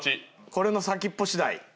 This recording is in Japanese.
これの先っぽ次第。